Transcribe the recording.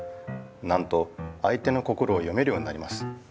なんとあい手の心を読めるようになります。